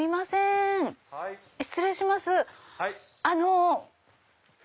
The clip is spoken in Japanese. あの。